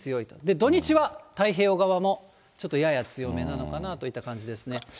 土日は太平洋側も、ちょっとやや強めなのかなといった感じですね。